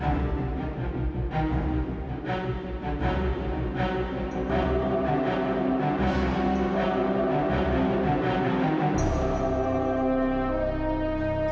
masa yang baik